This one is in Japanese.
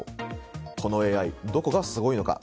このＡＩ、どこがすごいのか。